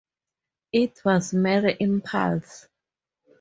It was mere impulse.